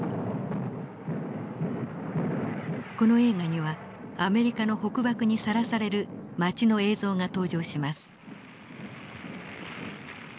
この映画にはアメリカの北爆にさらされる町の映像が登場します。